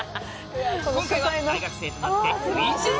今回は大学生となって初陣！